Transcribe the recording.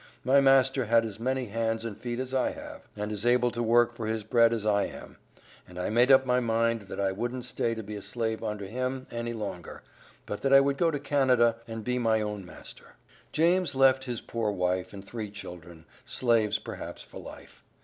My master had as many hands and feet as I have, and is as able to work for his bread as I am; and I made up my mind that I wouldn't stay to be a slave under him any longer, but that I would go to Canada, and be my own master." James left his poor wife, and three children, slaves perhaps for life.